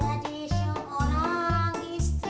jadi seorang istri